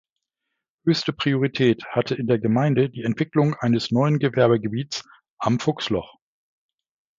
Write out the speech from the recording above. Höchste Priorität hatte in der Gemeinde die Entwicklung eines neuen Gewerbegebietes „Am Fuchsloch“.